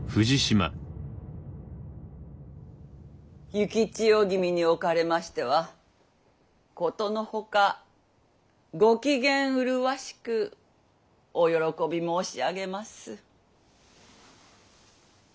幸千代君におかれましてはことのほかご機嫌麗しくお喜び申し上げます。